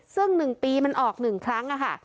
ซึ่งหนึ่งปีมันออกหนึ่งครั้งอะค่ะ